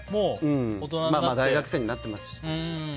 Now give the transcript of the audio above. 大学生になっていましたし。